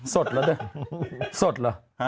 สดหรอสดเหรอ